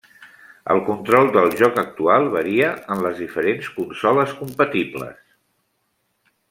El control del joc actual varia en les diferents consoles compatibles.